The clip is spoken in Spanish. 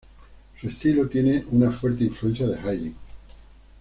Su estilo tiene una fuerte influencia de Haydn.